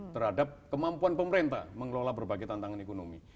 terhadap kemampuan pemerintah mengelola berbagai tantangan ekonomi